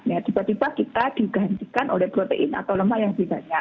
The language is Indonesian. ya tiba tiba kita digantikan oleh protein atau lemak yang lebih banyak